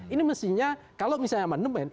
ini mestinya kalau misalnya aman demen